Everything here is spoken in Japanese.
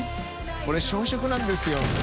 俺小食なんですよ」